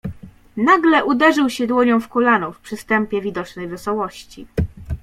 "Nagle uderzył się dłonią w kolano, w przystępie widocznej wesołości."